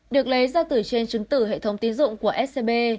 được lấy ra từ trên chứng tử hệ thống tín dụng của scb